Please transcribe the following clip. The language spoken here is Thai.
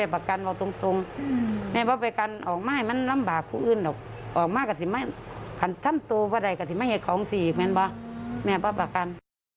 บอกว่ากันลูกค้าอะไรคือบอกนั้น